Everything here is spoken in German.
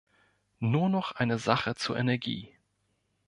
Nur noch eine Sache zur Energie.